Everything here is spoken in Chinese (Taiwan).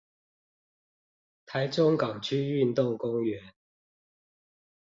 臺中港區運動公園